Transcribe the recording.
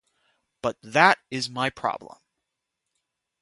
But that is my problem.